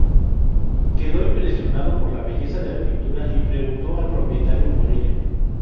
Quedó impresionado por la belleza de la pintura, y preguntó al propietario por ella.